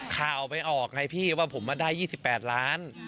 ข่าวไปออกไงพี่ว่าผมมาได้๒๘ล้าน